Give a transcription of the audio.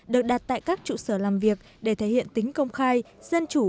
được đặt tại các trụ sở làm việc để thể hiện tính công khai dân chủ